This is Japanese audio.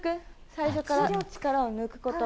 最初から力を抜くこと。